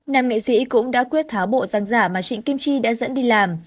nam nghệ sĩ cũng đã quyết tháo bộ giang giả mà trịnh kiềm chi đã dẫn đi làm